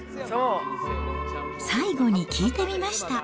最後に聞いてみました。